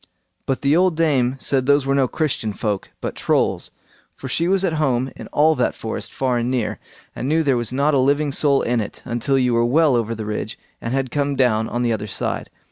But the old dame said those were no Christian folk, but Trolls, for she was at home in all that forest far and near, and knew there was not a living soul in it, until you were well over the ridge, and had come down on the other side.